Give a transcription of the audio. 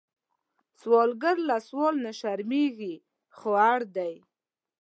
سوالګر له سوال نه شرمېږي، خو اړ دی